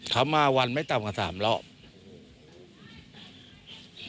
เข้ามาวันไม่ต่ำกว่าสามแล้ว